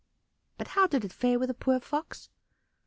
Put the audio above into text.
But how did it fare with the poor Fox?